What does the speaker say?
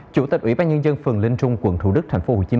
chủ tịch ủy ban nhân dân phường linh trung quận thủ đức tp hcm